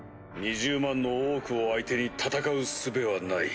２０万のオークを相手に戦うすべはない。